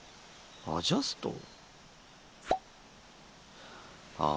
アジャスト？ああ。